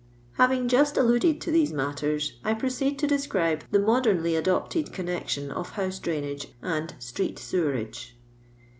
Having jujit alluded to these mutters, I pri>ceed to describe the modemly adopted connection of house drainage and street sewerage.